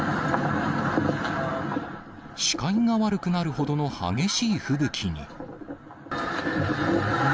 視界が悪くなるほどの激しい吹雪に。